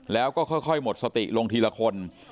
แล้วก็ค่อยหมดสติลงทีละคน